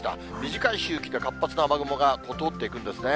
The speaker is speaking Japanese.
短い周期で活発な雨雲が通っていくんですね。